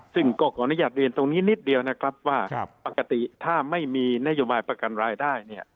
ซึ่งก็ขออนุญาตเรียนตรงนี้นิดเดียวนะครับว่าปกติถ้าไม่มีนโยบายประกันรายได้เนี่ย